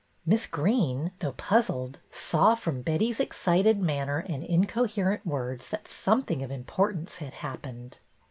Miss Greene, though puzzled, saw from Betty's excited manner and incoherent words that something of importance had happened.